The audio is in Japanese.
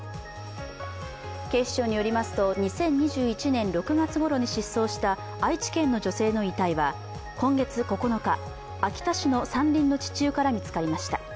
警視庁によりますと、２０２１年６月ごろに失踪した愛知県の女性の遺体は今月９日、秋田市の山林の地中から見つかりました。